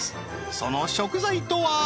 その食材とは？